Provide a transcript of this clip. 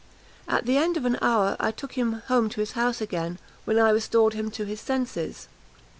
At the end of an hour, I took him home to his house again, when I restored him to his senses.